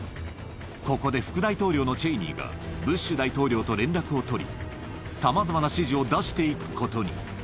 ここで副大統領のチェイニーが、ブッシュ大統領と連絡を取り、さまざまな指示を出していくことに。